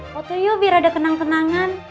foto yuk biar ada kenang kenangan